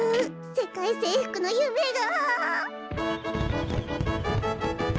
せかいせいふくのゆめが！